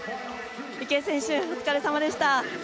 池江選手お疲れさまでした。